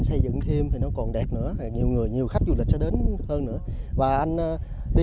xây dựng thêm thì nó còn đẹp nữa nhiều người nhiều khách du lịch sẽ đến hơn nữa và anh đi